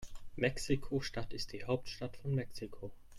Mexiko-Stadt ist die Hauptstadt von Mexiko.